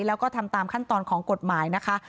แล้วก็ทำตามขั้นตอนของกฎหมายนะคะ